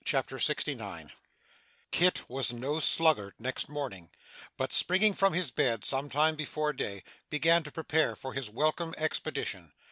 CHAPTER 69 Kit was no sluggard next morning, but, springing from his bed some time before day, began to prepare for his welcome expedition.